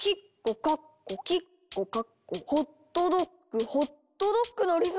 「ホットドッグホットドッグ」のリズムだ！